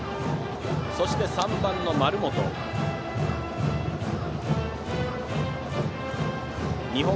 そして、３番の丸本。